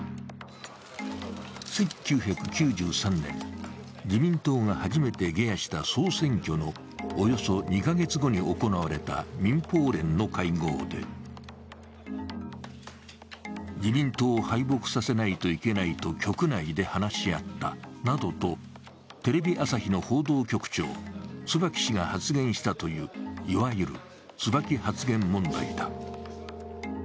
１９９３年、自民党が初めて下野した総選挙のおよそ２か月後に行われた民放連の会合で、自民党を敗北させないといけないと局内で話し合ったなどとテレビ朝日の報道局長・椿氏が発言したといういわゆる椿発言問題だ。